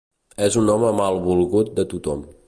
És un home malvolgut de tothom.